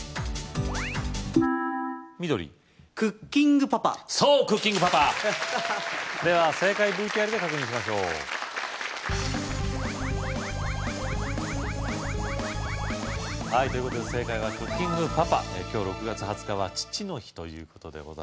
緑クッキングパパそうクッキングパパでは正解ＶＴＲで確認しましょうはいということで正解はクッキングパ今日６月２０日は父の日ということでございます